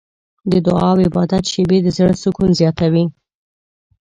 د دعا او عبادت شېبې د زړه سکون زیاتوي.